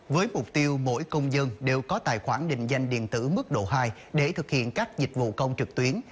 với mục tiêu mỗi công dân đều có tài khoản định danh điện tử mức độ hai để thực hiện các dịch vụ công trực tuyến